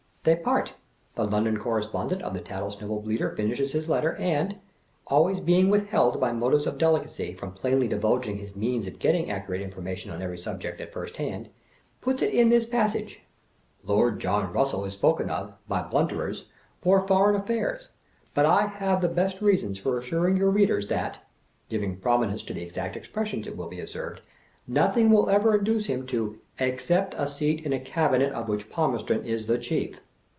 They part, the London Correspon dent of The Tattlesnivel Bleater finishes his letter, and — always being withheld by motives of delicacy, from plainly divulging his means of getting accurate information on every subject, at first hand — puts in it this passage :" Lord John Russell is spoken of, by blunderers, for Foreign Affairs ; but I have the best reasons for assuring your read ers, that" (giving prominence to the exact expressions, it will be observed) "' nothing will evi:e induce him to ACCEPT A SEAT IN A CABINET OF WHICH PalMEKSTON IS THE Chief.'